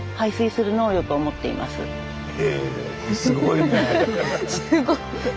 すごいね。